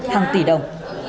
hàng tỷ đồng